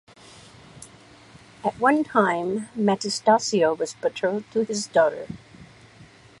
At one time, Metastasio was betrothed to his daughter.